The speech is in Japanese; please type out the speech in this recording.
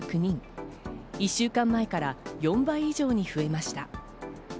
１週間前から４倍以上に増えました。